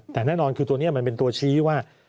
แต่แน่นอนคือตัวนี้มันเป็นตัวชี้ว่า